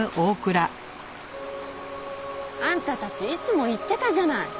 あんたたちいつも言ってたじゃない。